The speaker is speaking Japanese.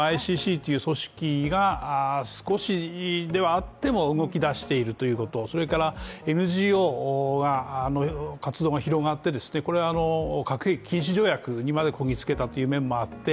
ＩＣＣという組織が少しではあっても動きだしているということそれから、ＮＧＯの活動が広がって核兵器禁止条約までこぎつけたという面もあって